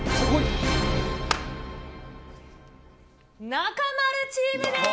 中丸チームです。